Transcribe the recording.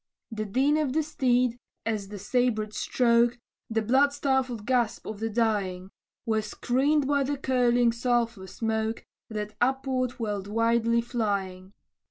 The din of the steed, and the sabred stroke, The blood stifled gasp of the dying, Were screened by the curling sulphur smoke, That upward went wildly flying.